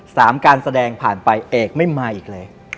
ทางการแสดงไปไปอีกเลย